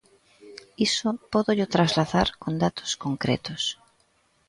Iso pódollo trasladar con datos concretos.